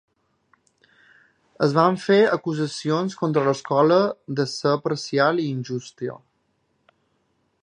Es van fer acusacions contra l'escola de ser parcial i "injusta".